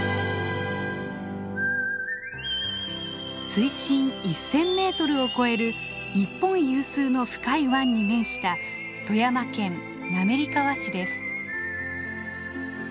水深１，０００メートルを超える日本有数の深い湾に面した富山県滑川市です。